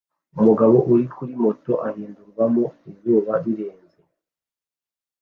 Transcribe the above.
Umugabo uri kuri moto ahindurwamo izuba rirenze